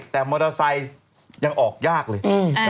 แต่มอเตอร์ไซค์ยังออกยากเลย